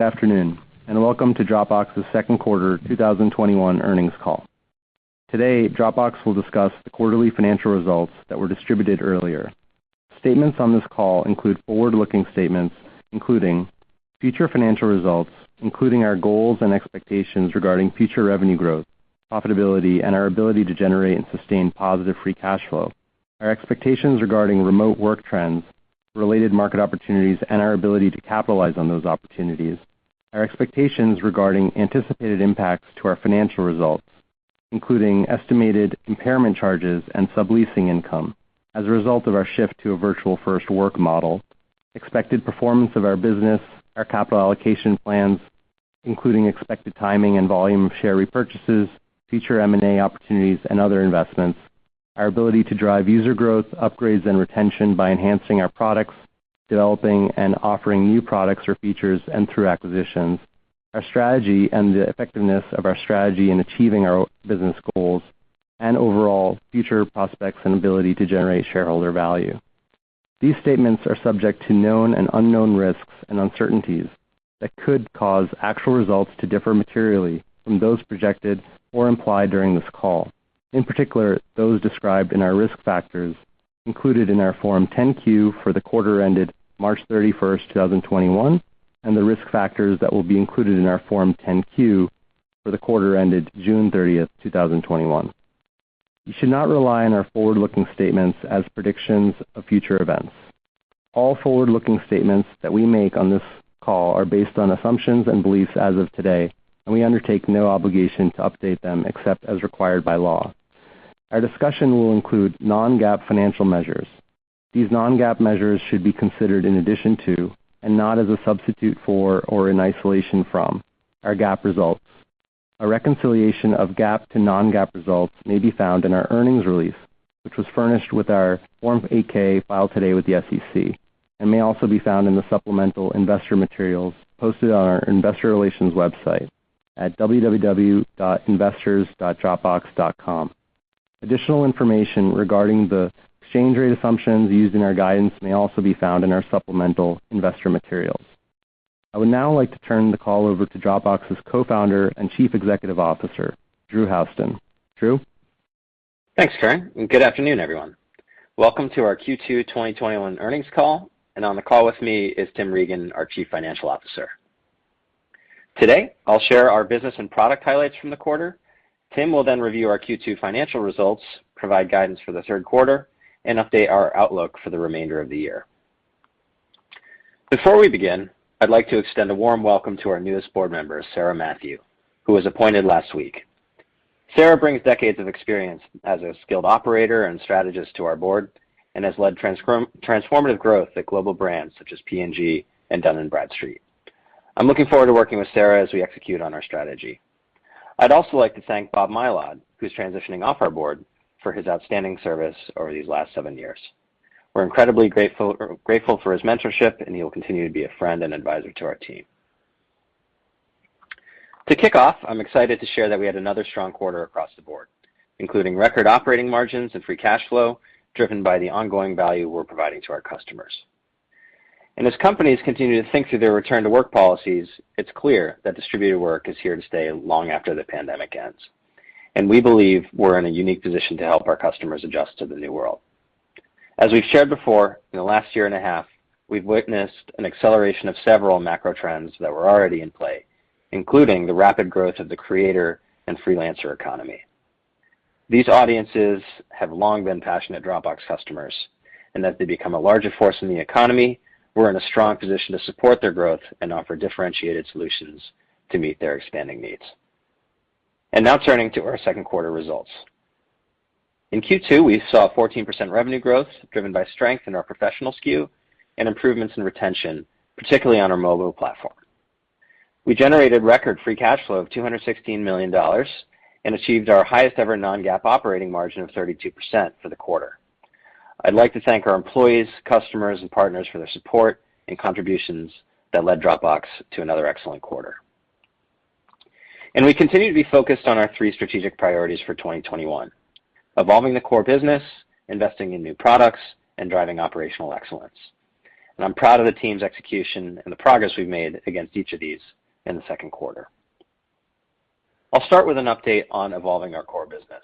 Good afternoon, and welcome to Dropbox's second quarter 2021 earnings call. Today, Dropbox will discuss the quarterly financial results that were distributed earlier. Statements on this call include forward-looking statements, including future financial results, including our goals and expectations regarding future revenue growth, profitability, and our ability to generate and sustain positive free cash flow, our expectations regarding remote work trends, related market opportunities, and our ability to capitalize on those opportunities, our expectations regarding anticipated impacts to our financial results, including estimated impairment charges and subleasing income as a result of our shift to a Virtual First work model, expected performance of our business, our capital allocation plans, including expected timing and volume of share repurchases, future M&A opportunities, and other investments, our ability to drive user growth, upgrades, and retention by enhancing our products, developing and offering new products or features and through acquisitions, our strategy and the effectiveness of our strategy in achieving our business goals, and overall future prospects and ability to generate shareholder value. These statements are subject to known and unknown risks and uncertainties that could cause actual results to differ materially from those projected or implied during this call. In particular, those described in our risk factors included in our Form 10-Q for the quarter ended March 31st, 2021, and the risk factors that will be included in our Form 10-Q for the quarter ended June 30th, 2021. You should not rely on our forward-looking statements as predictions of future events. All forward-looking statements that we make on this call are based on assumptions and beliefs as of today, and we undertake no obligation to update them except as required by law. Our discussion will include non-GAAP financial measures. These non-GAAP measures should be considered in addition to, and not as a substitute for or in isolation from, our GAAP results. A reconciliation of GAAP to non-GAAP results may be found in our earnings release, which was furnished with our Form 8-K filed today with the SEC, and may also be found in the supplemental investor materials posted on our investor relations website at www.investors.dropbox.com. Additional information regarding the exchange rate assumptions used in our guidance may also be found in our supplemental investor materials. I would now like to turn the call over to Dropbox's Co-Founder and Chief Executive Officer, Drew Houston. Drew? Thanks, Karan. Good afternoon, everyone. Welcome to our Q2 2021 earnings call, and on the call with me is Tim Regan, our Chief Financial Officer. Today, I'll our business and product highlights from the quarter. Tim will then review our Q2 financial results, provide guidance for the third quarter, and update our outlook for the remainder of the year. Before we begin, I'd like to extend a warm welcome to our newest Board Member, Sara Mathew, who was appointed last week. Sara brings decades of experience as a skilled operator and strategist to our board and has led transformative growth at global brands such as P&G and Dun & Bradstreet. I'm looking forward to working with Sara as we execute on our strategy. I'd also like to thank Bob Mylod, who's transitioning off our board, for his outstanding service over these last seven years. We're incredibly grateful for his mentorship, and he will continue to be a friend and advisor to our team. To kick off, I'm excited to share that we had another strong quarter across the board, including record operating margins and free cash flow, driven by the ongoing value we're providing to our customers. As companies continue to think through their return to work policies, it's clear that distributed work is here to stay long after the pandemic ends. We believe we're in a unique position to help our customers adjust to the new world. As we've shared before, in the last year and a half, we've witnessed an acceleration of several macro trends that were already in play, including the rapid growth of the creator and freelancer economy. These audiences have long been passionate Dropbox customers, and as they become a larger force in the economy, we're in a strong position to support their growth and offer differentiated solutions to meet their expanding needs. Now turning to our second quarter results. In Q2, we saw a 14% revenue growth, driven by strength in our Professional SKU and improvements in retention, particularly on our mobile platform. We generated record free cash flow of $216 million and achieved our highest ever non-GAAP operating margin of 32% for the quarter. I'd like to thank our employees, customers, and partners for their support and contributions that led Dropbox to another excellent quarter. We continue to be focused on our three strategic priorities for 2021, evolving the core business, investing in new products, and driving operational excellence. I'm proud of the team's execution and the progress we've made against each of these in the second quarter. I'll start with an update on evolving our core business.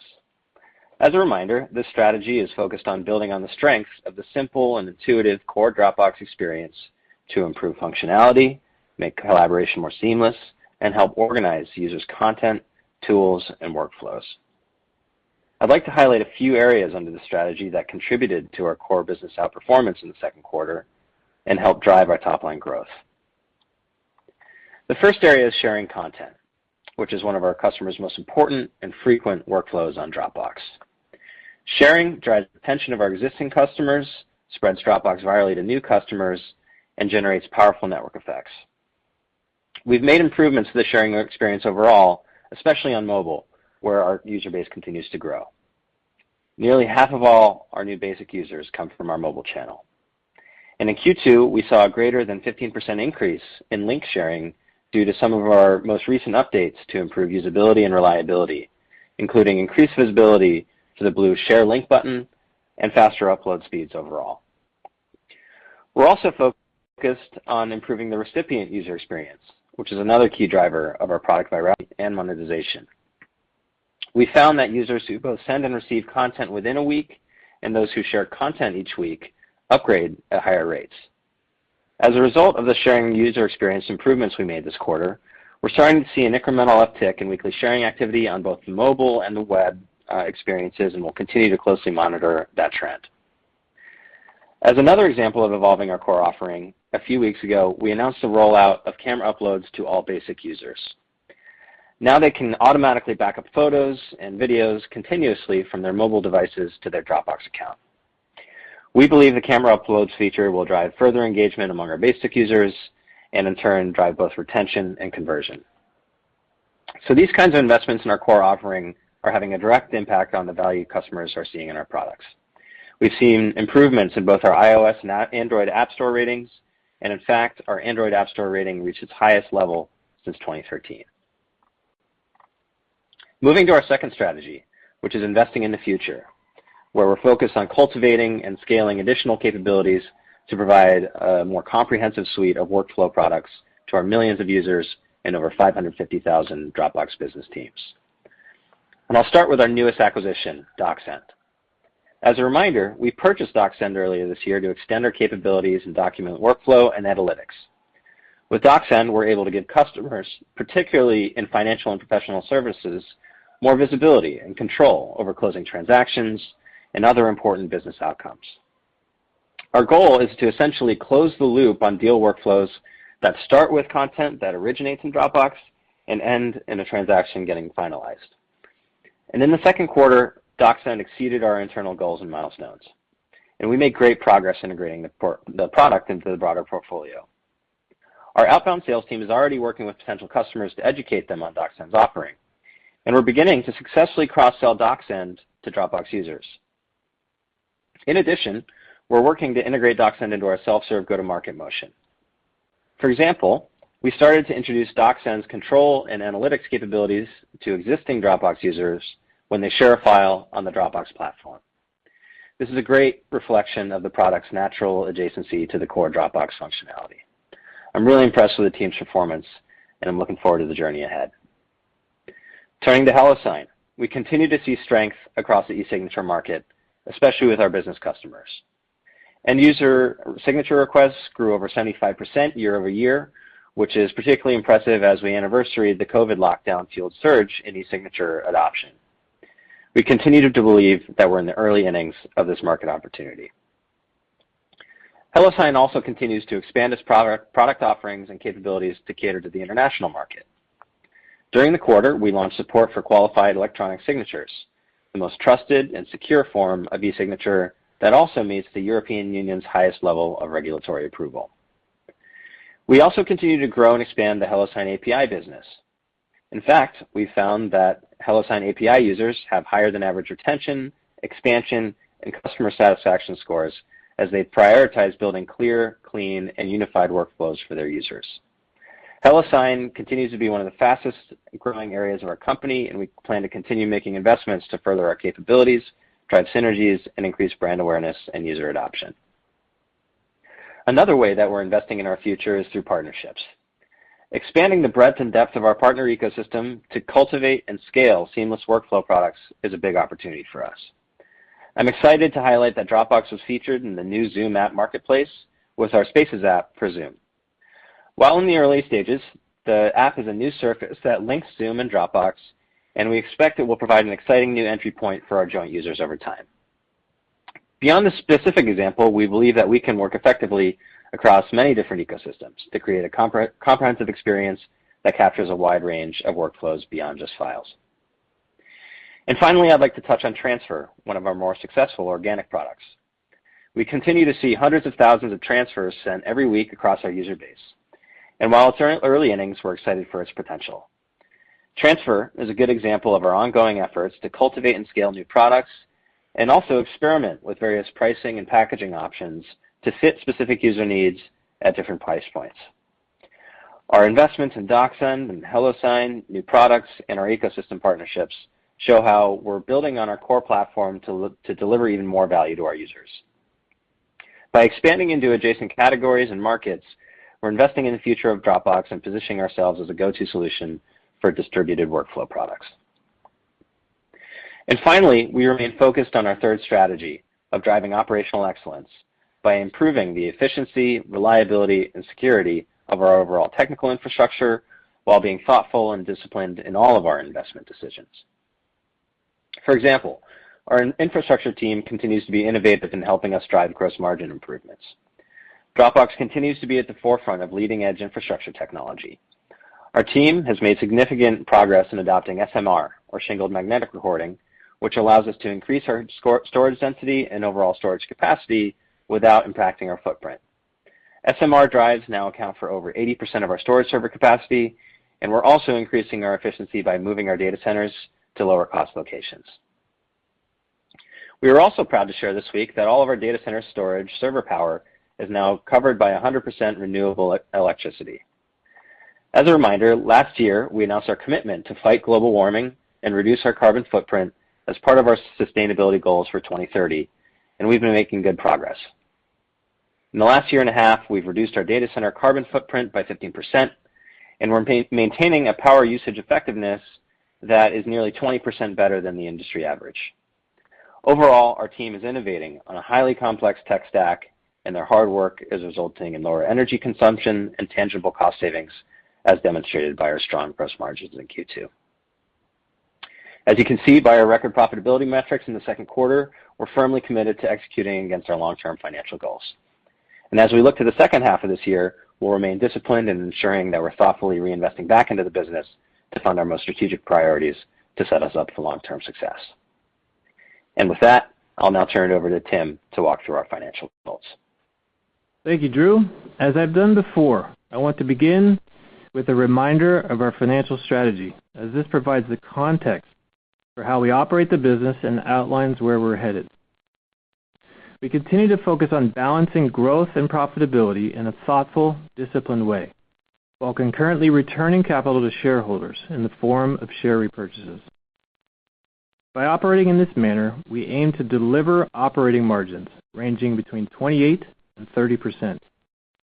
As a reminder, this strategy is focused on building on the strengths of the simple and intuitive core Dropbox experience to improve functionality, make collaboration more seamless, and help organize users' content, tools, and workflows. I'd like to highlight a few areas under this strategy that contributed to our core business outperformance in the second quarter and helped drive our top-line growth. The first area is sharing content, which is one of our customers' most important and frequent workflows on Dropbox. Sharing drives retention of our existing customers, spreads Dropbox virally to new customers, and generates powerful network effects. We've made improvements to the sharing experience overall, especially on mobile, where our user base continues to grow. Nearly half of all our new basic users come from our mobile channel. In Q2, we saw a greater than 15% increase in link sharing due to some of our most recent updates to improve usability and reliability, including increased visibility to the blue Share Link button and faster upload speeds overall. We're also focused on improving the recipient user experience, which is another key driver of our product viability and monetization. We found that users who both send and receive content within one week, and those who share content each week, upgrade at higher rates. As a result of the sharing user experience improvements we made this quarter, we're starting to see an incremental uptick in weekly sharing activity on both the mobile and the web experiences, and we'll continue to closely monitor that trend. As another example of evolving our core offering, a few weeks ago, we announced the rollout of camera uploads to all basic users. Now they can automatically back up photos and videos continuously from their mobile devices to their Dropbox account. We believe the camera uploads feature will drive further engagement among our basic users, and in turn, drive both retention and conversion. These kinds of investments in our core offering are having a direct impact on the value customers are seeing in our products. We've seen improvements in both our iOS and Android app store ratings, and in fact, our Android app store rating reached its highest level since 2013. Moving to our second strategy, which is investing in the future, where we're focused on cultivating and scaling additional capabilities to provide a more comprehensive suite of workflow products to our millions of users and over 550,000 Dropbox Business teams. I'll start with our newest acquisition, DocSend. As a reminder, we purchased DocSend earlier this year to extend our capabilities in document workflow and analytics. With DocSend, we're able to give customers, particularly in financial and professional services, more visibility and control over closing transactions and other important business outcomes. Our goal is to essentially close the loop on deal workflows that start with content that originates in Dropbox and end in a transaction getting finalized. In the second quarter, DocSend exceeded our internal goals and milestones. We made great progress integrating the product into the broader portfolio. Our outbound sales team is already working with potential customers to educate them on DocSend's offering, and we're beginning to successfully cross-sell DocSend to Dropbox users. In addition, we're working to integrate DocSend into our self-serve go-to-market motion. For example, we started to introduce DocSend's control and analytics capabilities to existing Dropbox users when they share a file on the Dropbox platform. This is a great reflection of the product's natural adjacency to the core Dropbox functionality. I'm really impressed with the team's performance, and I'm looking forward to the journey ahead. Turning to HelloSign, we continue to see strength across the e-signature market, especially with our business customers. End user signature requests grew over 75% year-over-year, which is particularly impressive as we anniversary the COVID lockdown-fueled surge in e-signature adoption. We continue to believe that we're in the early innings of this market opportunity. HelloSign also continues to expand its product offerings and capabilities to cater to the international market. During the quarter, we launched support for qualified electronic signatures, the most trusted and secure form of e-signature that also meets the European Union's highest level of regulatory approval. We also continue to grow and expand the HelloSign API business. In fact, we found that HelloSign API users have higher-than-average retention, expansion, and customer satisfaction scores as they prioritize building clear, clean, and unified workflows for their users. HelloSign continues to be one of the fastest-growing areas of our company. We plan to continue making investments to further our capabilities, drive synergies, and increase brand awareness and user adoption. Another way that we're investing in our future is through partnerships. Expanding the breadth and depth of our partner ecosystem to cultivate and scale seamless workflow products is a big opportunity for us. I'm excited to highlight that Dropbox was featured in the new Zoom App Marketplace with our Spaces app for Zoom. While in the early stages, the app is a new surface that links Zoom and Dropbox, and we expect it will provide an exciting new entry point for our joint users over time. Beyond this specific example, we believe that we can work effectively across many different ecosystems to create a comprehensive experience that captures a wide range of workflows beyond just files. Finally, I'd like to touch on Transfer, one of our more successful organic products. We continue to see hundreds of thousands of transfers sent every week across our user base. While it's early innings, we're excited for its potential. Transfer is a good example of our ongoing efforts to cultivate and scale new products, also experiment with various pricing and packaging options to fit specific user needs at different price points. Our investments in DocSend and HelloSign, new products, and our ecosystem partnerships show how we're building on our core platform to deliver even more value to our users. By expanding into adjacent categories and markets, we're investing in the future of Dropbox and positioning ourselves as a go-to solution for distributed workflow products. Finally, we remain focused on our third strategy of driving operational excellence by improving the efficiency, reliability, and security of our overall technical infrastructure while being thoughtful and disciplined in all of our investment decisions. For example, our infrastructure team continues to be innovative in helping us drive gross margin improvements. Dropbox continues to be at the forefront of leading-edge infrastructure technology. Our team has made significant progress in adopting SMR, or shingled magnetic recording, which allows us to increase our storage density and overall storage capacity without impacting our footprint. SMR drives now account for over 80% of our storage server capacity, and we're also increasing our efficiency by moving our data centers to lower-cost locations. We are also proud to share this week that all of our data center storage server power is now covered by 100% renewable electricity. As a reminder, last year, we announced our commitment to fight global warming and reduce our carbon footprint as part of our sustainability goals for 2030, and we've been making good progress. In the last year and a half, we've reduced our data center carbon footprint by 15%, and we're maintaining a power usage effectiveness that is nearly 20% better than the industry average. Our team is innovating on a highly complex tech stack, and their hard work is resulting in lower energy consumption and tangible cost savings, as demonstrated by our strong gross margins in Q2. You can see by our record profitability metrics in the second quarter, we're firmly committed to executing against our long-term financial goals. As we look to the second half of this year, we'll remain disciplined in ensuring that we're thoughtfully reinvesting back into the business to fund our most strategic priorities to set us up for long-term success. With that, I'll now turn it over to Tim to walk through our financial results. Thank you, Drew. As I've done before, I want to begin with a reminder of our financial strategy, as this provides the context for how we operate the business and outlines where we're headed. We continue to focus on balancing growth and profitability in a thoughtful, disciplined way, while concurrently returning capital to shareholders in the form of share repurchases. By operating in this manner, we aim to deliver operating margins ranging between 28% and 30%,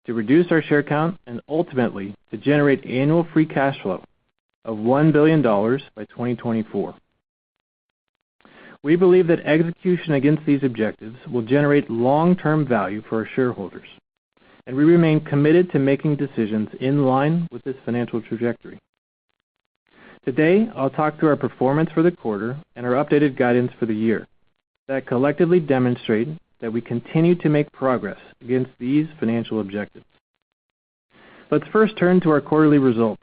to reduce our share count, and ultimately to generate annual free cash flow of $1 billion by 2024. We believe that execution against these objectives will generate long-term value for our shareholders, and we remain committed to making decisions in line with this financial trajectory. Today, I'll talk through our performance for the quarter and our updated guidance for the year that collectively demonstrate that we continue to make progress against these financial objectives. Let's first turn to our quarterly results.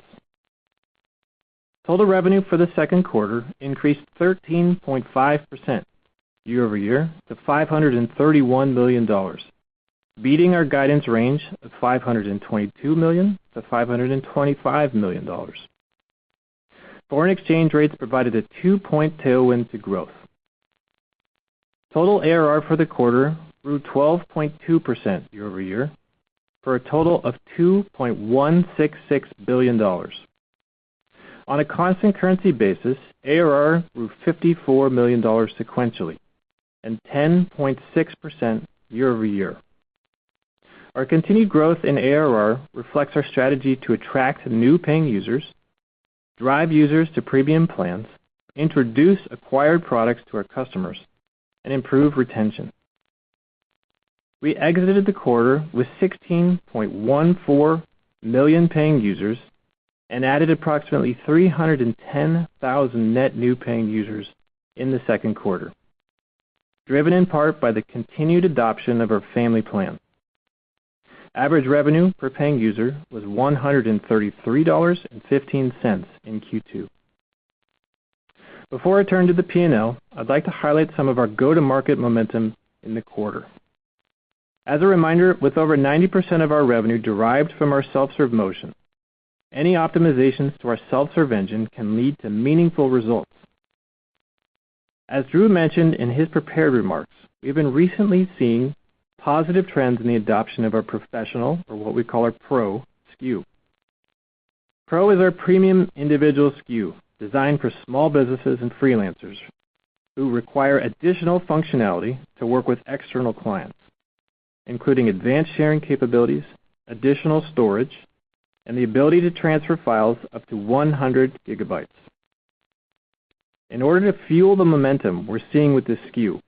Total revenue for the second quarter increased 13.5% year-over-year to $531 million, beating our guidance range of $522 million-$525 million. Foreign exchange rates provided a two-point tailwind to growth. Total ARR for the quarter grew 12.2% year-over-year for a total of $2.166 billion. On a constant currency basis, ARR grew $54 million sequentially and 10.6% year-over-year. Our continued growth in ARR reflects our strategy to attract new paying users, drive users to premium plans, introduce acquired products to our customers, and improve retention. We exited the quarter with 16.14 million paying users and added approximately 310,000 net new paying users in the second quarter, driven in part by the continued adoption of our family plan. Average revenue per paying user was $133.15 in Q2. Before I turn to the P&L, I'd like to highlight some of our go-to-market momentum in the quarter. As a reminder, with over 90% of our revenue derived from our self-serve motion, any optimizations to our self-serve engine can lead to meaningful results. As Drew mentioned in his prepared remarks, we've been recently seeing positive trends in the adoption of our Professional, or what we call our Pro SKU. Pro is our premium individual SKU designed for small businesses and freelancers who require additional functionality to work with external clients, including advanced sharing capabilities, additional storage, and the ability to transfer files up to 100 GB. In order to fuel the momentum we're seeing with this SKU,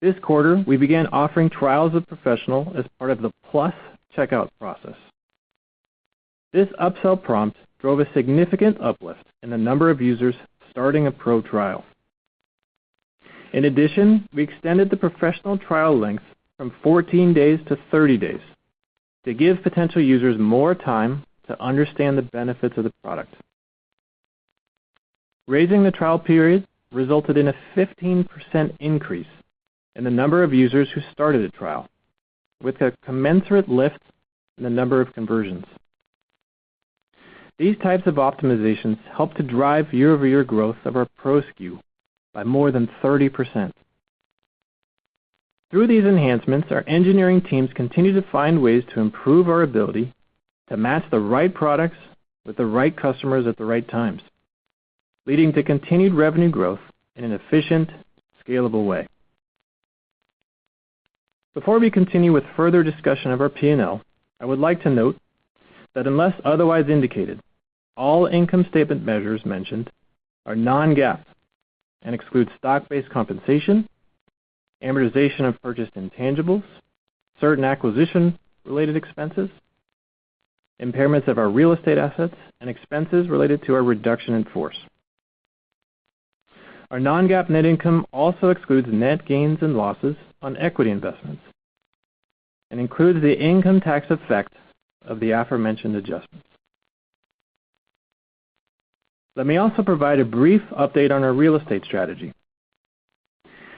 this quarter, we began offering trials of Professional as part of the Plus checkout process. This upsell prompt drove a significant uplift in the number of users starting a Pro trial. In addition, we extended the Professional trial length from 14 days to 30 days to give potential users more time to understand the benefits of the product. Raising the trial period resulted in a 15% increase in the number of users who started a trial, with a commensurate lift in the number of conversions. These types of optimizations help to drive year-over-year growth of our Pro SKU by more than 30%. Through these enhancements, our engineering teams continue to find ways to improve our ability to match the right products with the right customers at the right times, leading to continued revenue growth in an efficient, scalable way. Before we continue with further discussion of our P&L, I would like to note that unless otherwise indicated, all income statement measures mentioned are non-GAAP and exclude stock-based compensation, amortization of purchased intangibles, certain acquisition-related expenses, impairments of our real estate assets, and expenses related to our reduction in force. Our non-GAAP net income also excludes net gains and losses on equity investments and includes the income tax effect of the aforementioned adjustments. Let me also provide a brief update on our real estate strategy.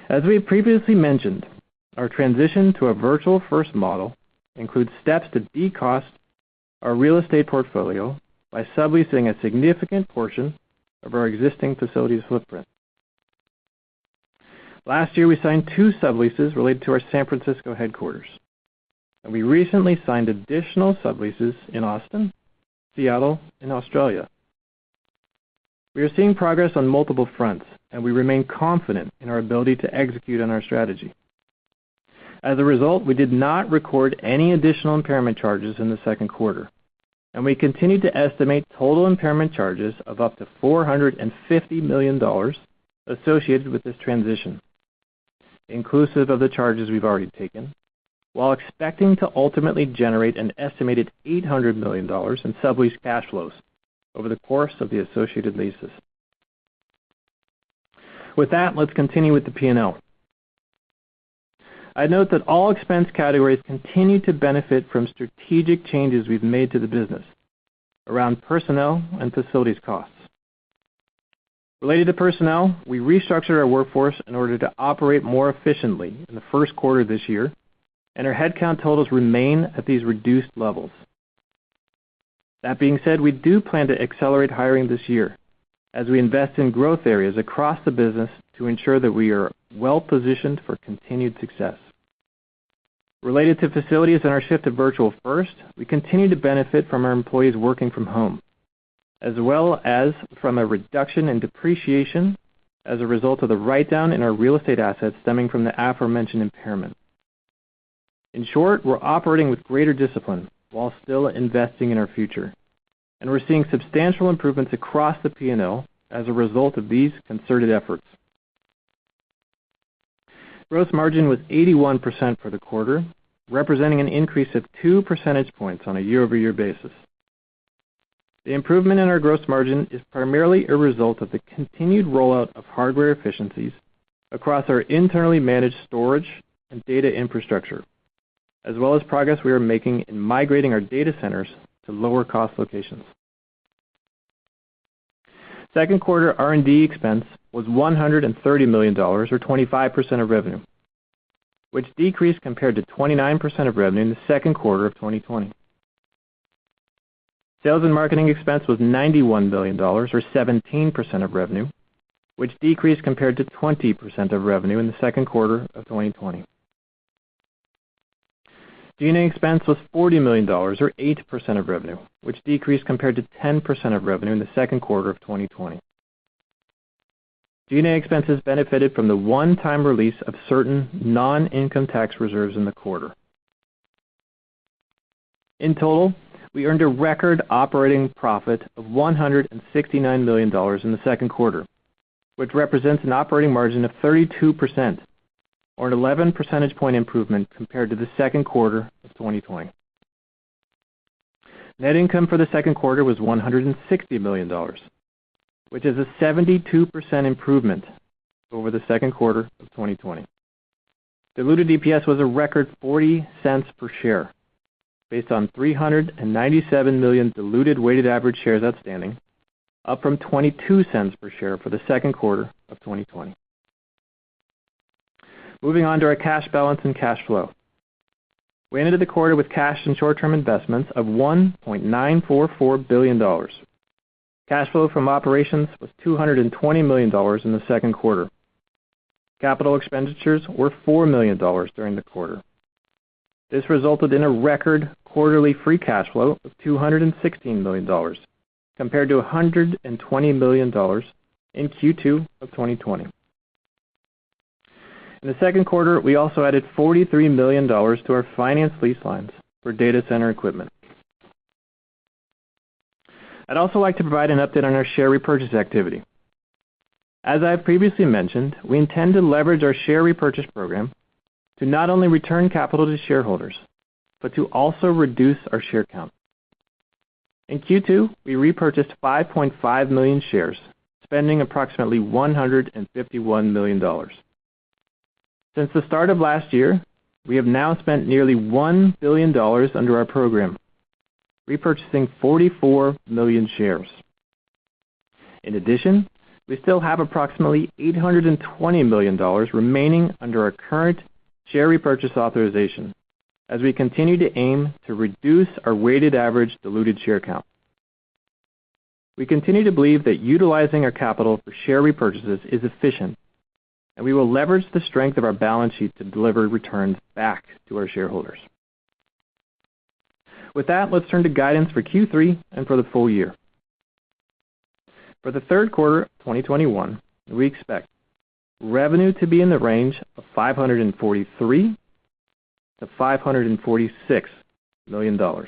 As we have previously mentioned, our transition to a Virtual First model includes steps to de-cost our real estate portfolio by subleasing a significant portion of our existing facilities footprint. Last year, we signed two subleases related to our San Francisco headquarters, and we recently signed additional subleases in Austin, Seattle, and Australia. We are seeing progress on multiple fronts, and we remain confident in our ability to execute on our strategy. As a result, we did not record any additional impairment charges in the second quarter, and we continue to estimate total impairment charges of up to $450 million associated with this transition, inclusive of the charges we've already taken, while expecting to ultimately generate an estimated $800 million in sublease cash flows over the course of the associated leases. With that, let's continue with the P&L. I'd note that all expense categories continue to benefit from strategic changes we've made to the business around personnel and facilities costs. Related to personnel, we restructured our workforce in order to operate more efficiently in the first quarter of this year, and our headcount totals remain at these reduced levels. That being said, we do plan to accelerate hiring this year as we invest in growth areas across the business to ensure that we are well-positioned for continued success. Related to facilities and our shift to Virtual First, we continue to benefit from our employees working from home, as well as from a reduction in depreciation as a result of the write-down in our real estate assets stemming from the aforementioned impairment. In short, we're operating with greater discipline while still investing in our future, and we're seeing substantial improvements across the P&L as a result of these concerted efforts. Gross margin was 81% for the quarter, representing an increase of two percentage points on a year-over-year basis. The improvement in our gross margin is primarily a result of the continued rollout of hardware efficiencies across our internally managed storage and data infrastructure, as well as progress we are making in migrating our data centers to lower-cost locations. Second quarter R&D expense was $130 million, or 25% of revenue, which decreased compared to 29% of revenue in the second quarter of 2020. Sales and marketing expense was $91 million, or 17% of revenue, which decreased compared to 20% of revenue in the second quarter of 2020. G&A expense was $40 million, or 8% of revenue, which decreased compared to 10% of revenue in the second quarter of 2020. G&A expenses benefited from the one-time release of certain non-income tax reserves in the quarter. In total, we earned a record operating profit of $169 million in the second quarter, which represents an operating margin of 32%, or an 11 percentage point improvement compared to the second quarter of 2020. Net income for the second quarter was $160 million, which is a 72% improvement over the second quarter of 2020. Diluted EPS was a record $0.40 per share, based on 397 million diluted weighted average shares outstanding, up from $0.22 per share for the second quarter of 2020. Moving on to our cash balance and cash flow. We ended the quarter with cash and short-term investments of $1.944 billion. Cash flow from operations was $220 million in the second quarter. Capital expenditures were $4 million during the quarter. This resulted in a record quarterly free cash flow of $216 million, compared to $120 million in Q2 of 2020. In the second quarter, we also added $43 million to our finance lease lines for data center equipment. I'd also like to provide an update on our share repurchase activity. As I have previously mentioned, we intend to leverage our share repurchase program to not only return capital to shareholders, but to also reduce our share count. In Q2, we repurchased 5.5 million shares, spending approximately $151 million. Since the start of last year, we have now spent nearly $1 billion under our program, repurchasing 44 million shares. In addition, we still have approximately $820 million remaining under our current share repurchase authorization as we continue to aim to reduce our weighted average diluted share count. We continue to believe that utilizing our capital for share repurchases is efficient, and we will leverage the strength of our balance sheet to deliver returns back to our shareholders. With that, let's turn to guidance for Q3 and for the full year. For the third quarter of 2021, we expect revenue to be in the range of $543 million-$546 million.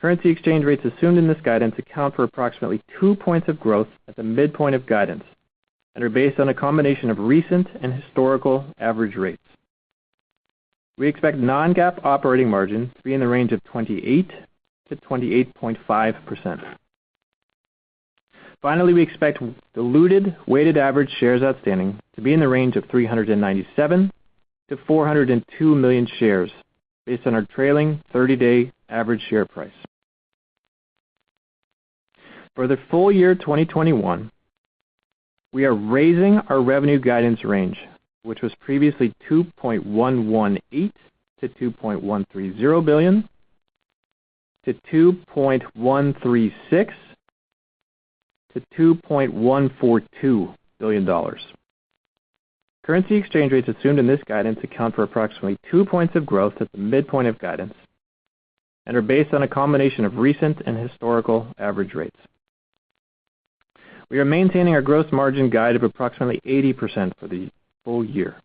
Currency exchange rates assumed in this guidance account for approximately two points of growth at the midpoint of guidance and are based on a combination of recent and historical average rates. We expect non-GAAP operating margin to be in the range of 28%-28.5%. Finally, we expect diluted weighted average shares outstanding to be in the range of 397 million-402 million shares based on our trailing 30-day average share price. For the full year 2021, we are raising our revenue guidance range, which was previously $2.118 billion-$2.130 billion, to $2.136 billion-$2.142 billion. Currency exchange rates assumed in this guidance account for approximately two points of growth at the midpoint of guidance and are based on a combination of recent and historical average rates. We are maintaining our gross margin guide of approximately 80% for the full year.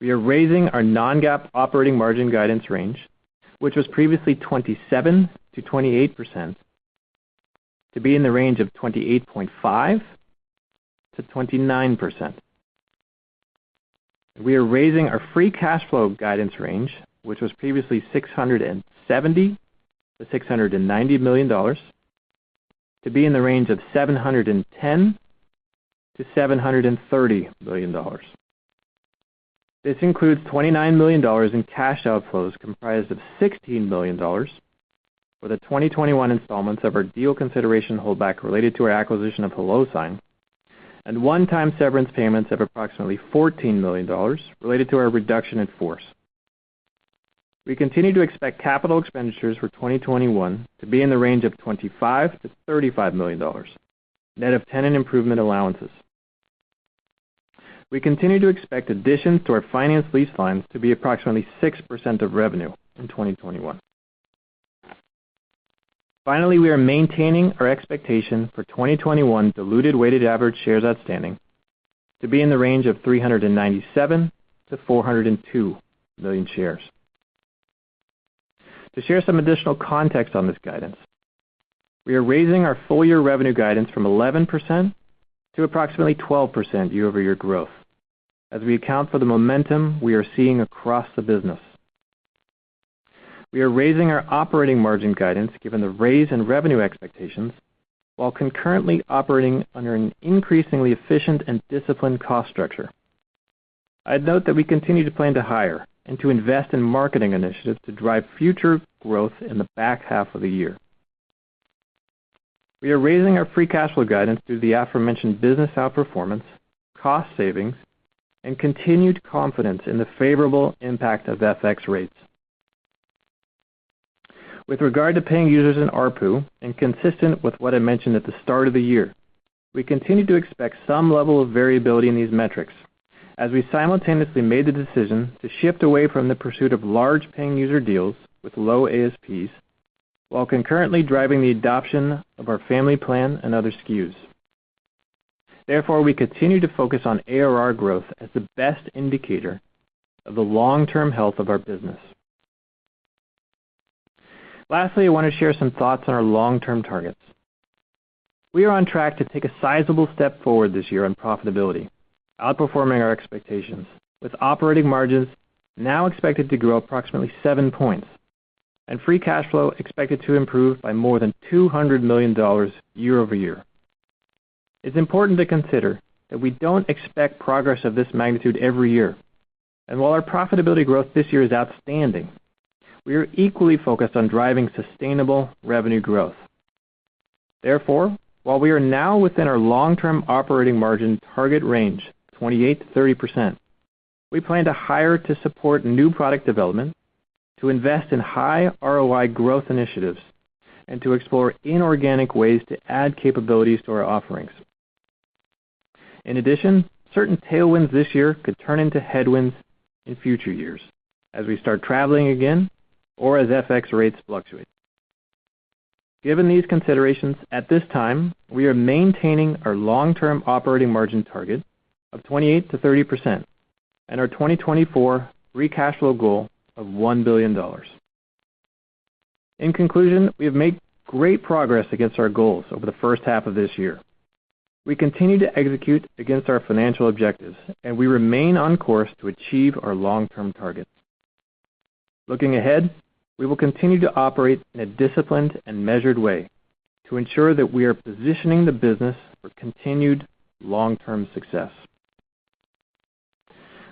We are raising our non-GAAP operating margin guidance range, which was previously 27%-28%, to be in the range of 28.5%-29%. We are raising our free cash flow guidance range, which was previously $670 million-$690 million, to be in the range of $710 million-$730 million. This includes $29 million in cash outflows, comprised of $16 million for the 2021 installments of our deal consideration holdback related to our acquisition of HelloSign, and one-time severance payments of approximately $14 million related to our reduction in force. We continue to expect capital expenditures for 2021 to be in the range of $25 million-$35 million, net of tenant improvement allowances. We continue to expect additions to our finance lease lines to be approximately 6% of revenue in 2021. Finally, we are maintaining our expectation for 2021 diluted weighted average shares outstanding to be in the range of 397 million-402 million shares. To share some additional context on this guidance, we are raising our full-year revenue guidance from 11%-approximately 12% year-over-year growth as we account for the momentum we are seeing across the business. We are raising our operating margin guidance given the raise in revenue expectations while concurrently operating under an increasingly efficient and disciplined cost structure. I'd note that we continue to plan to hire and to invest in marketing initiatives to drive future growth in the back half of the year. We are raising our free cash flow guidance through the aforementioned business outperformance, cost savings, and continued confidence in the favorable impact of FX rates. With regard to paying users in ARPU, and consistent with what I mentioned at the start of the year, we continue to expect some level of variability in these metrics as we simultaneously made the decision to shift away from the pursuit of large paying user deals with low ASPs, while concurrently driving the adoption of our family plan and other SKUs. Therefore, we continue to focus on ARR growth as the best indicator of the long-term health of our business. Lastly, I want to share some thoughts on our long-term targets. We are on track to take a sizable step forward this year on profitability, outperforming our expectations, with operating margins now expected to grow approximately seven points and free cash flow expected to improve by more than $200 million year-over-year. It's important to consider that we don't expect progress of this magnitude every year, and while our profitability growth this year is outstanding, we are equally focused on driving sustainable revenue growth. While we are now within our long-term operating margin target range, 28%-30%, we plan to hire to support new product development, to invest in high ROI growth initiatives, and to explore inorganic ways to add capabilities to our offerings. In addition, certain tailwinds this year could turn into headwinds in future years as we start traveling again or as FX rates fluctuate. Given these considerations, at this time, we are maintaining our long-term operating margin target of 28%-30% and our 2024 free cash flow goal of $1 billion. In conclusion, we have made great progress against our goals over the first half of this year. We continue to execute against our financial objectives, and we remain on course to achieve our long-term targets. Looking ahead, we will continue to operate in a disciplined and measured way to ensure that we are positioning the business for continued long-term success.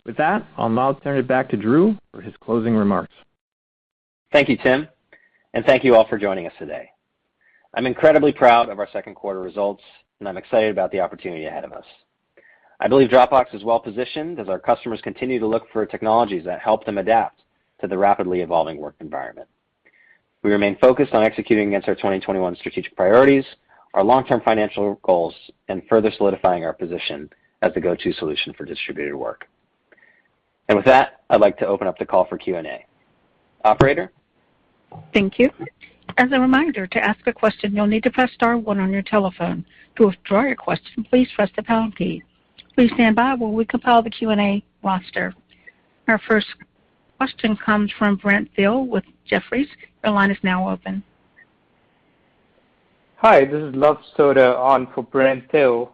With that, I'll now turn it back to Drew for his closing remarks. Thank you, Tim, and thank you all for joining us today. I'm incredibly proud of our second quarter results, and I'm excited about the opportunity ahead of us. I believe Dropbox is well positioned as our customers continue to look for technologies that help them adapt to the rapidly evolving work environment. We remain focused on executing against our 2021 strategic priorities, our long-term financial goals, and further solidifying our position as the go-to solution for distributed work. With that, I'd like to open up the call for Q&A. Operator? Thank you. As a reminder, to ask a question, you'll need to press star one on your telephone. To withdraw your question, please press the pound key. Please standby as we start Q&A. Our first question comes from Brent Thill with Jefferies. Your line is now open. Hi, this is Luv Sodha on for Brent Thill.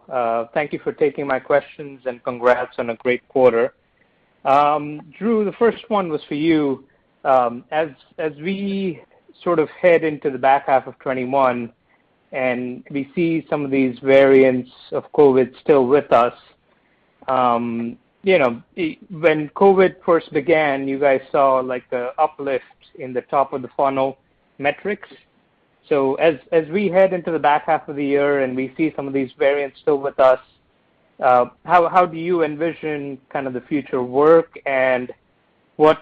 Thank you for taking my questions and congrats on a great quarter. Drew, the first one was for you. As we sort of head into the back half of 2021 and we see some of these variants of COVID still with us. When COVID first began, you guys saw the uplift in the top-of-the-funnel metrics. As we head into the back half of the year and we see some of these variants still with us, how do you envision the future of work and what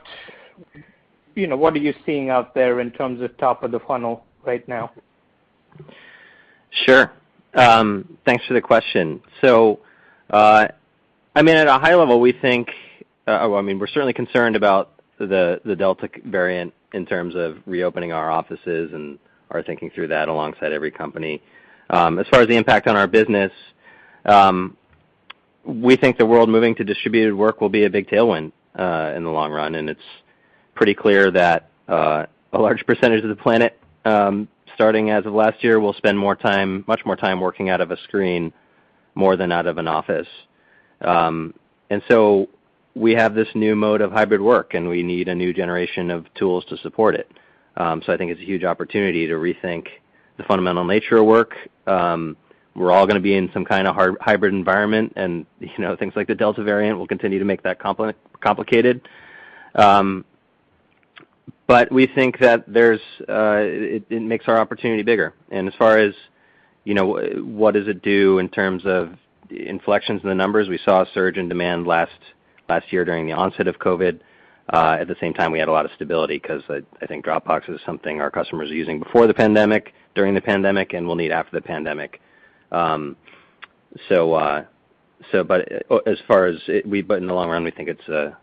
are you seeing out there in terms of top of the funnel right now? Sure. Thanks for the question. At a high level, we're certainly concerned about the Delta variant in terms of reopening our offices and are thinking through that alongside every company. As far as the impact on our business, we think the world moving to distributed work will be a big tailwind in the long run, and it's pretty clear that a large percentage of the planet, starting as of last year, will spend much more time working out of a screen, more than out of an office. We have this new mode of hybrid work, and we need a new generation of tools to support it. I think it's a huge opportunity to rethink the fundamental nature of work. We're all going to be in some kind of hybrid environment, and things like the Delta variant will continue to make that complicated. We think that it makes our opportunity bigger. As far as what does it do in terms of inflections in the numbers, we saw a surge in demand last year during the onset of COVID. At the same time, we had a lot of stability because I think Dropbox is something our customers were using before the pandemic, during the pandemic, and will need after the pandemic. In the long run, we think this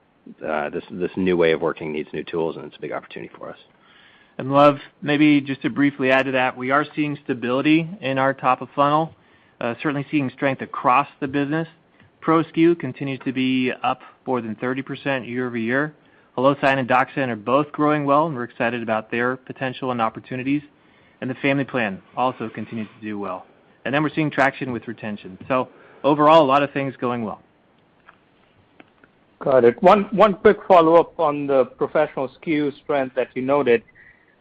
new way of working needs new tools, and it's a big opportunity for us. Luv, maybe just to briefly add to that, we are seeing stability in our top of funnel, certainly seeing strength across the business. Pro SKU continues to be up more than 30% year-over-year. HelloSign and DocSend are both growing well, and we're excited about their potential and opportunities. The family plan also continues to do well. We're seeing traction with retention. Overall, a lot of things going well. Got it. One quick follow-up on the Professional SKU strength that you noted.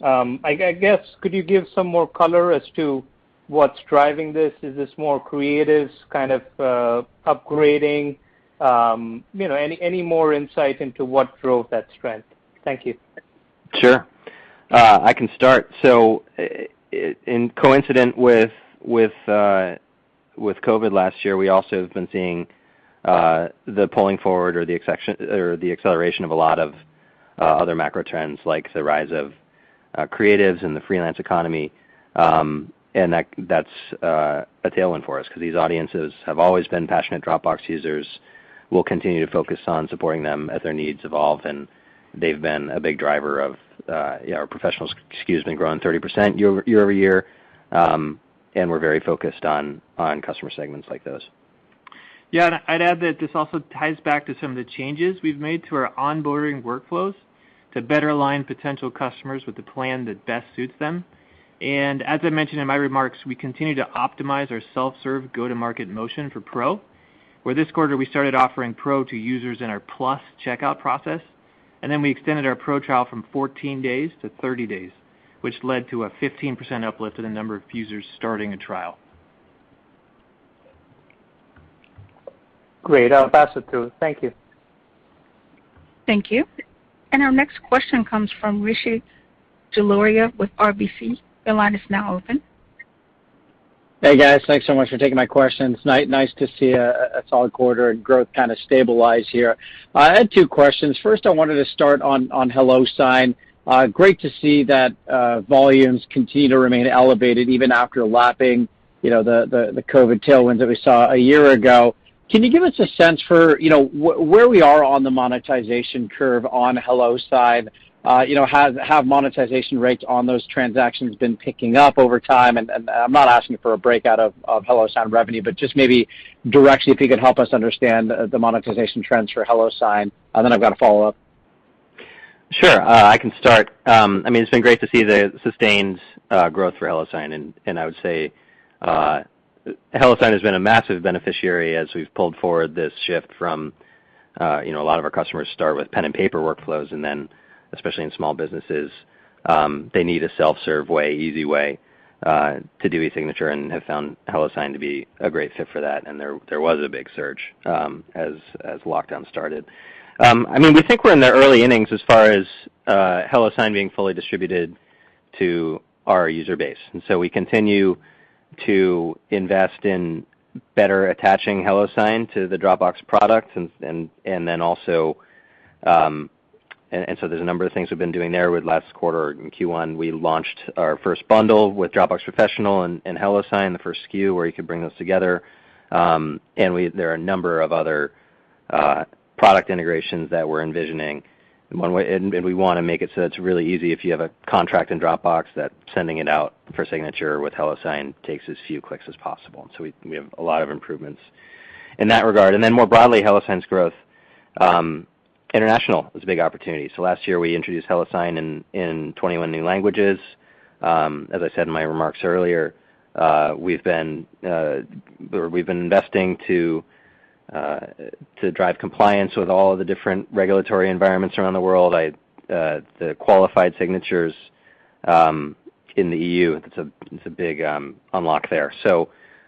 I guess, could you give some more color as to what's driving this? Is this more creatives kind of upgrading? Any more insight into what drove that strength? Thank you. Sure. I can start. In coincident with COVID last year, we also have been seeing the pulling forward or the acceleration of a lot of other macro trends, like the rise of creatives and the freelance economy, and that's a tailwind for us because these audiences have always been passionate Dropbox users. We'll continue to focus on supporting them as their needs evolve, and they've been a big driver of Our Pro SKU has been growing 30% year-over-year, and we're very focused on customer segments like those. Yeah, I'd add that this also ties back to some of the changes we've made to our onboarding workflows to better align potential customers with the plan that best suits them. As I mentioned in my remarks, we continue to optimize our self-serve go-to-market motion for Pro, where this quarter, we started offering Pro to users in our Plus checkout process, and then we extended our Pro trial from 14 days to 30 days, which led to a 15% uplift in the number of users starting a trial. Great. I'll pass it to you. Thank you. Thank you. Our next question comes from Rishi Jaluria with RBC. Your line is now open. Hey, guys. Thanks so much for taking my questions. Nice to see a solid quarter and growth kind of stabilize here. I had two questions. First, I wanted to start on HelloSign. Great to see that volumes continue to remain elevated even after lapping the COVID tailwinds that we saw a year ago. Can you give us a sense for where we are on the monetization curve on HelloSign? Have monetization rates on those transactions been picking up over time? I'm not asking for a breakout of HelloSign revenue, but just maybe directly, if you could help us understand the monetization trends for HelloSign. I've got a follow-up. Sure. I can start. It's been great to see the sustained growth for HelloSign. I would say HelloSign has been a massive beneficiary as we've pulled forward this shift from a lot of our customers start with pen and paper workflows. Then, especially in small businesses, they need a self-serve way, easy way, to do e-signature and have found HelloSign to be a great fit for that. There was a big surge as lockdown started. We think we're in the early innings as far as HelloSign being fully distributed to our user base. We continue to invest in better attaching HelloSign to the Dropbox product. There's a number of things we've been doing there with last quarter. In Q1, we launched our first bundle with Dropbox Professional and HelloSign, the first SKU where you could bring those together. There are a number of other product integrations that we're envisioning, and we want to make it so it's really easy if you have a contract in Dropbox, that sending it out for signature with HelloSign takes as few clicks as possible. We have a lot of improvements in that regard. More broadly, HelloSign's growth, international is a big opportunity. Last year, we introduced HelloSign in 21 new languages. As I said in my remarks earlier, we've been investing to drive compliance with all of the different regulatory environments around the world. The qualified signatures in the EU, it's a big unlock there.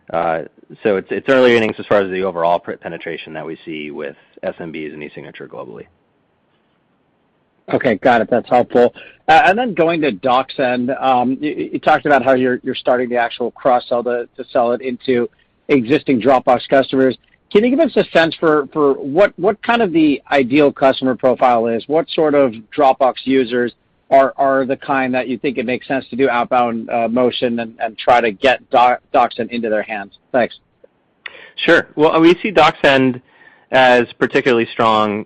It's early innings as far as the overall penetration that we see with SMBs and eSignature globally. Okay. Got it. That's helpful. Going to DocSend, you talked about how you're starting the actual cross-sell to sell it into existing Dropbox customers. Can you give us a sense for what the ideal customer profile is? What sort of Dropbox users are the kind that you think it makes sense to do outbound motion and try to get DocSend into their hands? Thanks. Sure. Well, we see DocSend as particularly strong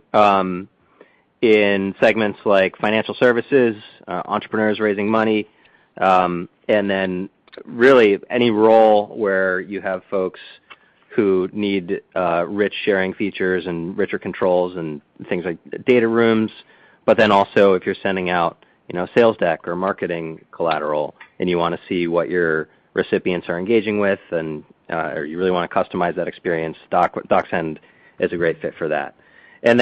in segments like financial services, entrepreneurs raising money, and really any role where you have folks who need rich sharing features and richer controls and things like data rooms. Also, if you're sending out a sales deck or marketing collateral and you want to see what your recipients are engaging with, or you really want to customize that experience, DocSend is a great fit for that.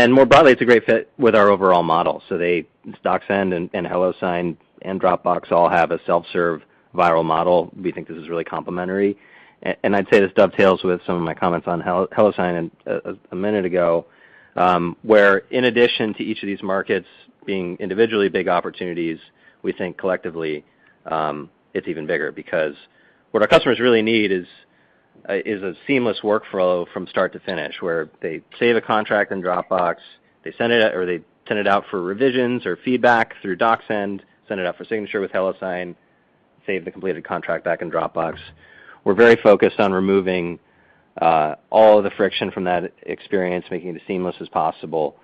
More broadly, it's a great fit with our overall model. DocSend and HelloSign and Dropbox all have a self-serve viral model. We think this is really complementary. I'd say this dovetails with some of my comments on HelloSign a minute ago, where in addition to each of these markets being individually big opportunities, we think collectively, it's even bigger because what our customers really need is a seamless workflow from start to finish, where they save a contract in Dropbox, they send it out for revisions or feedback through DocSend, send it out for signature with HelloSign, save the completed contract back in Dropbox. We're very focused on removing all of the friction from that experience, making it as seamless as possible.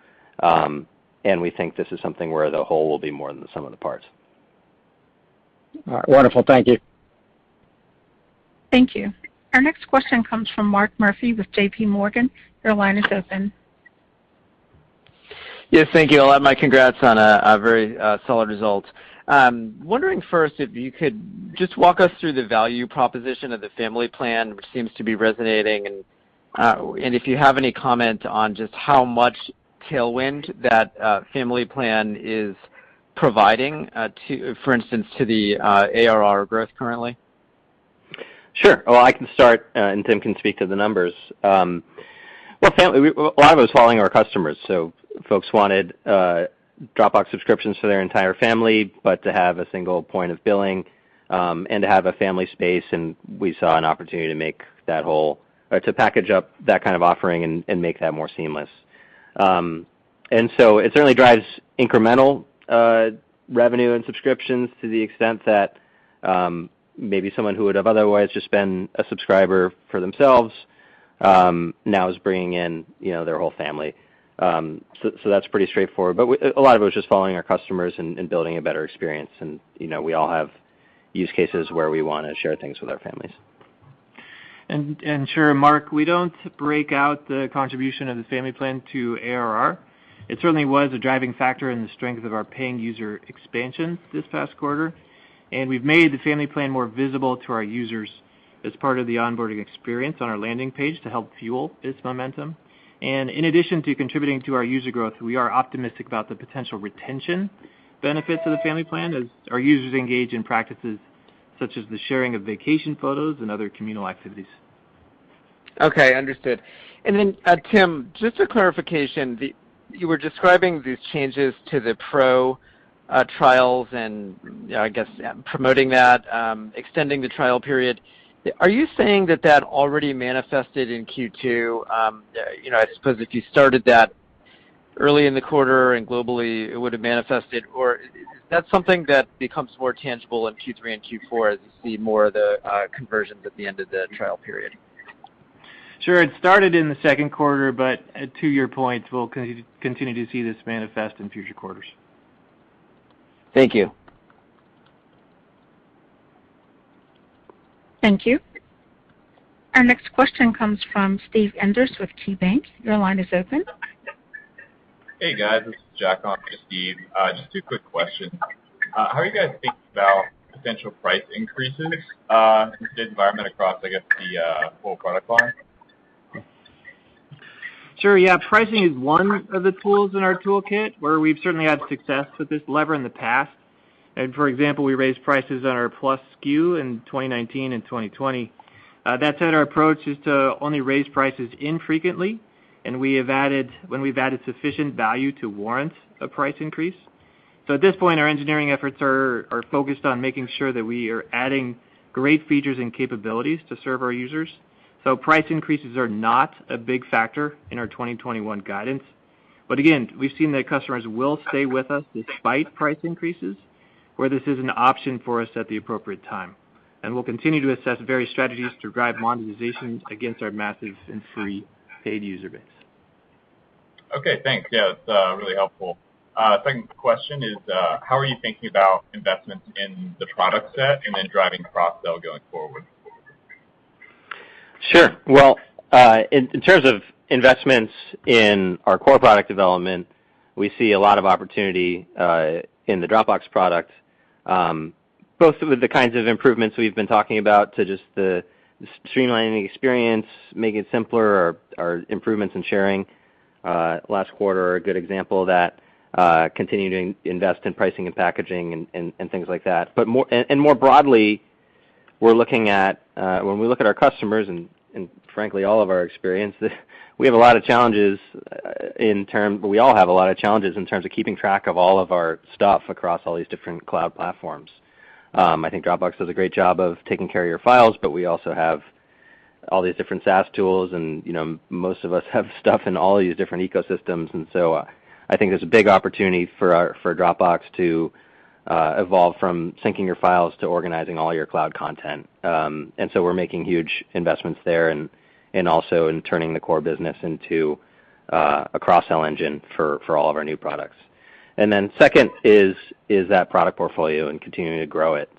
We think this is something where the whole will be more than the sum of the parts. All right. Wonderful. Thank you. Thank you. Our next question comes from Mark Murphy with JPMorgan. Your line is open. Yes, thank you. I'll add my congrats on a very solid result. Wondering first if you could just walk us through the value proposition of the family plan, which seems to be resonating, and if you have any comment on just how much tailwind that family plan is providing, for instance, to the ARR growth currently. Sure. I can start, and Tim can speak to the numbers. A lot of it was following our customers. Folks wanted Dropbox subscriptions for their entire family, but to have a single point of billing, and to have a family space, and we saw an opportunity to package up that kind of offering and make that more seamless. It certainly drives incremental revenue and subscriptions to the extent that maybe someone who would have otherwise just been a subscriber for themselves now is bringing in their whole family. That's pretty straightforward, but a lot of it was just following our customers and building a better experience, and we all have use cases where we want to share things with our families. Sure, Mark, we don't break out the contribution of the family plan to ARR. It certainly was a driving factor in the strength of our paying user expansion this past quarter, and we've made the family plan more visible to our users as part of the onboarding experience on our landing page to help fuel its momentum. In addition to contributing to our user growth, we are optimistic about the potential retention benefits of the family plan as our users engage in practices such as the sharing of vacation photos and other communal activities. Okay. Understood. Tim, just a clarification. You were describing these changes to the Pro trials and I guess promoting that, extending the trial period. Are you saying that that already manifested in Q2? I suppose if you started that early in the quarter and globally, it would have manifested, or is that something that becomes more tangible in Q3 and Q4 as you see more of the conversions at the end of the trial period? Sure. It started in the second quarter, but to your point, we'll continue to see this manifest in future quarters. Thank you. Thank you. Our next question comes from Steve Enders with KeyBanc. Your line is open. Hey, guys. This is Jack on for Steve. Just 2 quick questions. How are you guys thinking about potential price increases in the environment across, I guess, the full product line? Sure. Yeah. Pricing is one of the tools in our toolkit where we've certainly had success with this lever in the past. For example, we raised prices on our Plus SKU in 2019 and 2020. That said, our approach is to only raise prices infrequently, and when we've added sufficient value to warrant a price increase. At this point, our engineering efforts are focused on making sure that we are adding great features and capabilities to serve our users. Price increases are not a big factor in our 2021 guidance. Again, we've seen that customers will stay with us despite price increases, where this is an option for us at the appropriate time. We'll continue to assess various strategies to drive monetization against our massive and free paid user base. Okay, thanks. Yeah, that's really helpful. Second question is, how are you thinking about investments in the product set and then driving cross-sell going forward? Sure. Well, in terms of investments in our core product development, we see a lot of opportunity in the Dropbox product. Both with the kinds of improvements we've been talking about to just the streamlining experience, making it simpler, our improvements in sharing. Last quarter, a good example of that, continuing to invest in pricing and packaging and things like that. More broadly, when we look at our customers and frankly, all of our experience, we have a lot of challenges, we all have a lot of challenges in terms of keeping track of all of our stuff across all these different cloud platforms. I think Dropbox does a great job of taking care of your files, but we also have all these different SaaS tools and most of us have stuff in all these different ecosystems. I think there's a big opportunity for Dropbox to evolve from syncing your files to organizing all your cloud content. We're making huge investments there and also in turning the core business into a cross-sell engine for all of our new products. Second is that product portfolio and continuing to grow it.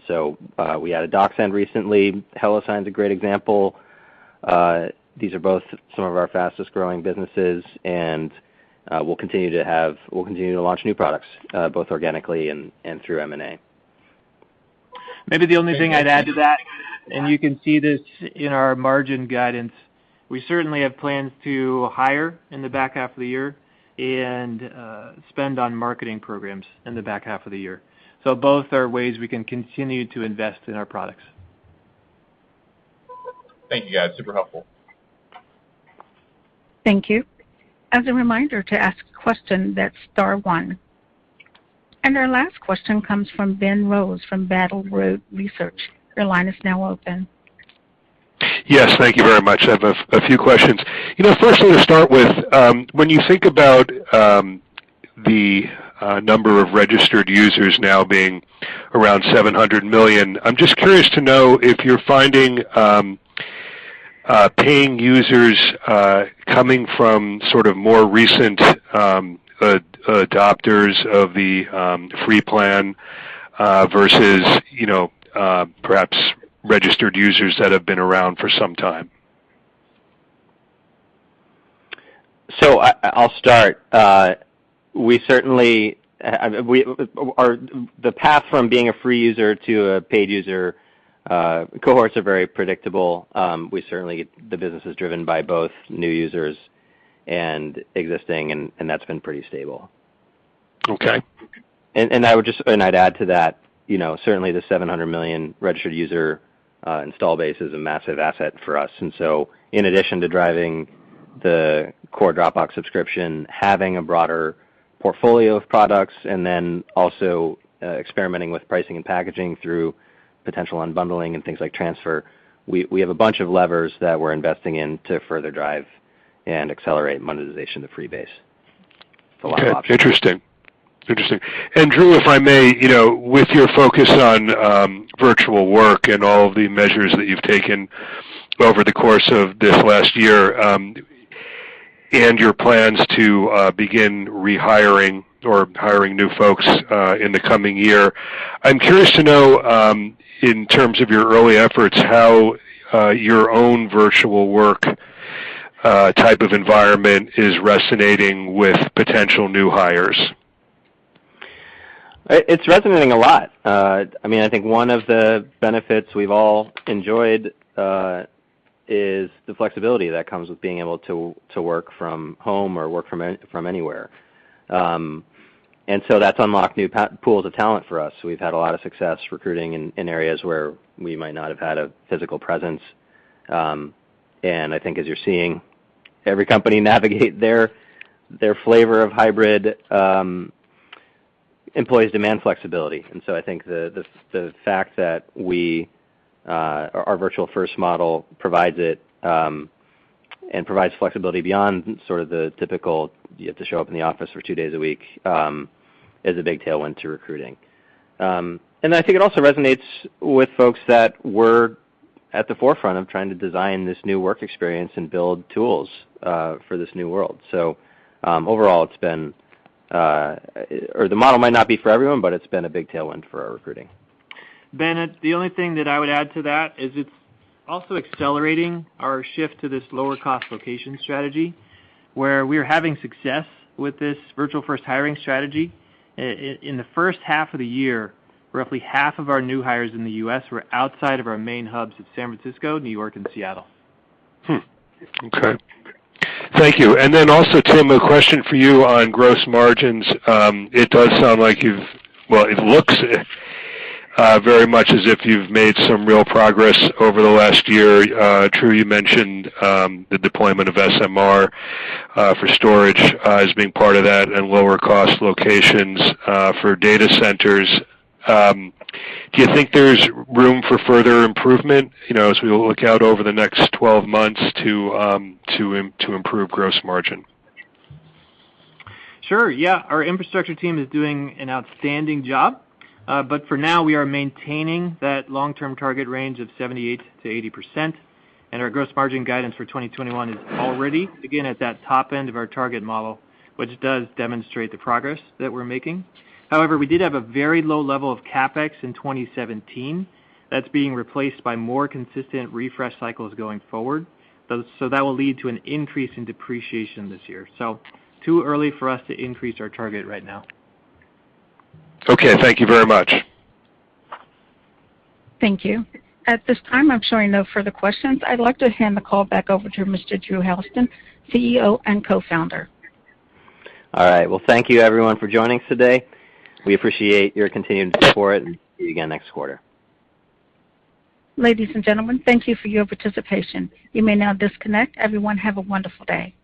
We added DocSend recently. HelloSign's a great example. These are both some of our fastest-growing businesses, and we'll continue to launch new products, both organically and through M&A. Maybe the only thing I'd add to that, and you can see this in our margin guidance, we certainly have plans to hire in the back half of the year and spend on marketing programs in the back half of the year. Both are ways we can continue to invest in our products. Thank you, guys. Super helpful. Thank you. As a reminder, to ask a question, that's star one. Our last question comes from Ben Rose from Battle Road Research. Your line is now open. Yes. Thank you very much. I have a few questions. Firstly, to start with, when you think about the number of registered users now being around 700 million, I am just curious to know if you are finding paying users coming from sort of more recent adopters of the free plan versus perhaps registered users that have been around for some time. I'll start. The path from being a free user to a paid user, cohorts are very predictable. The business is driven by both new users and existing, and that's been pretty stable. Okay. I'd add to that, certainly the 700 million registered user install base is a massive asset for us. And so in addition to driving the core Dropbox subscription, having a broader portfolio of products, and then also experimenting with pricing and packaging through potential unbundling and things like Transfer, we have a bunch of levers that we're investing in to further drive and accelerate monetization of the free base. There's a lot of options. Okay. Interesting. Drew, if I may, with your focus on virtual work and all of the measures that you've taken over the course of this last year, and your plans to begin rehiring or hiring new folks in the coming year, I'm curious to know, in terms of your early efforts, how your own virtual work type of environment is resonating with potential new hires? It's resonating a lot. I think one of the benefits we've all enjoyed is the flexibility that comes with being able to work from home or work from anywhere. That's unlocked new pools of talent for us. We've had a lot of success recruiting in areas where we might not have had a physical presence. I think as you're seeing every company navigate their flavor of hybrid, employees demand flexibility. I think the fact that our Virtual First model provides it, and provides flexibility beyond sort of the typical, you have to show up in the office for two days a week, is a big tailwind to recruiting. I think it also resonates with folks that were at the forefront of trying to design this new work experience and build tools for this new world. Overall, the model might not be for everyone, but it's been a big tailwind for our recruiting. Ben, the only thing that I would add to that is it's also accelerating our shift to this lower cost location strategy, where we are having success with this Virtual First hiring strategy. In the first half of the year, roughly half of our new hires in the U.S. were outside of our main hubs of San Francisco, New York, and Seattle. Okay. Thank you. Also, Tim, a question for you on gross margins. It does sound like you've, well, it looks very much as if you've made some real progress over the last year. Drew, you mentioned the deployment of SMR for storage as being part of that and lower cost locations for data centers. Do you think there's room for further improvement, as we look out over the next 12 months to improve gross margin? Sure, yeah. Our infrastructure team is doing an outstanding job. For now, we are maintaining that long-term target range of 78%-80%, our gross margin guidance for 2021 is already, again, at that top end of our target model, which does demonstrate the progress that we're making. However, we did have a very low level of CapEx in 2017. That's being replaced by more consistent refresh cycles going forward. That will lead to an increase in depreciation this year. Too early for us to increase our target right now. Okay. Thank you very much. Thank you. At this time, I'm showing no further questions. I'd like to hand the call back over to Mr. Drew Houston, CEO and Co-Founder. All right. Well, thank you everyone for joining us today. We appreciate your continued support and see you again next quarter. Ladies and gentlemen, thank you for your participation. You may now disconnect. Everyone, have a wonderful day.